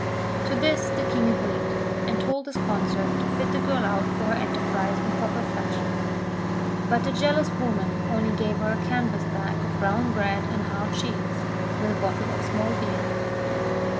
To this the King agreed, and told his consort to fit the girl out for her enterprise in proper fashion. But the jealous woman only gave her a canvas bag of brown bread and hard cheese, with a bottle of small beer.